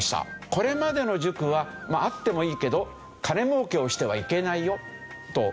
これまでの塾はあってもいいけど金儲けをしてはいけないよというわけですね。